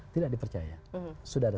tidak dipercaya sudah ada